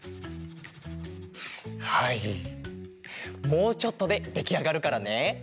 もうちょっとでできあがるからね。